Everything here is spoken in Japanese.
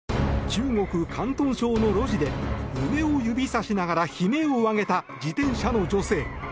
中国・広東省の路地で上を指さしながら悲鳴を上げた自転車の女性。